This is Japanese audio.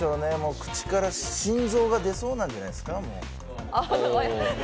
口から心臓が出そうなんじゃないですか？